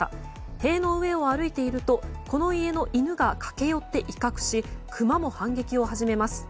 塀の上を歩いているとこの家の犬が駆け寄って威嚇しクマも反撃を始めます。